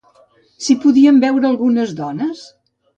S'hi podien veure algunes dones?